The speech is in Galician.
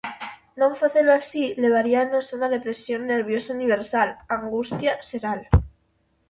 Non facelo así, levaríanos a unha depresión nerviosa universal, á angustia xeral.